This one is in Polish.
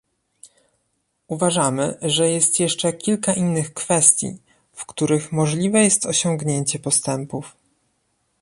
Uważamy, że jest jeszcze kilka innych kwestii, w których możliwe jest osiągnięcie postępów